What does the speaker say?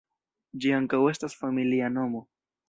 Ĝi ankaŭ estas familia nomo.